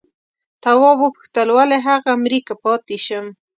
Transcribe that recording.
تواب وپوښتل ولې هغه مري که پاتې شم؟